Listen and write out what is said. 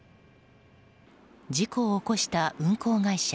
事故を起こした運航会社